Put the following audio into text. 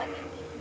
perlu kamu apa